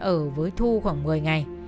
ở với thu khoảng một mươi ngày